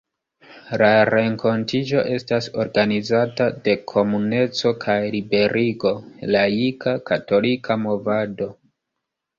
La renkontiĝo estas organizata de Komuneco kaj Liberigo, laika, katolika movado.